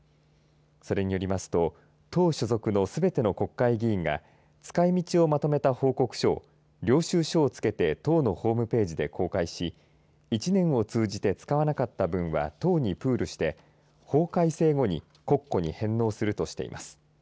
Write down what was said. それによりますと党所属のすべての国会議員が使いみちをまとめた報告書を領収書を付けて党のホームページで公開し１年を通じて使わなかった分は党にプールして法改正後に国庫に返納するとしています。